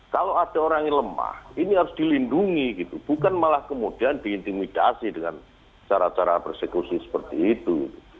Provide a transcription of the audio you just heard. kalau ada orang yang lemah ini harus dilindungi gitu bukan malah kemudian diintimidasi dengan cara cara persekusi seperti itu